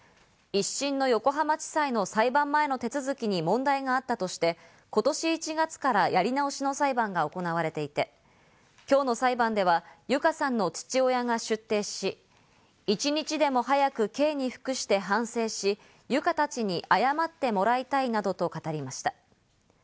１審の横浜地裁の裁判前の手続きに問題があったとして、今年１月からやり直しの裁判が行われていて、今日の裁判では友香さんの父親が出廷し、一日でも早く刑に服して反省し、友香たちに謝ってもらいたいなどと語りました。